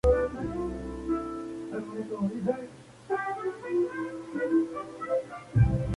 Para abreviar las aplicaciones, en general se combina con el máximo rendimiento disponible.